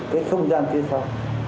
cái không gian kia sau